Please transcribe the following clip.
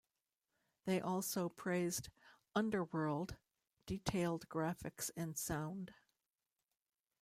They also praised "Underwurlde" detailed graphics and sound.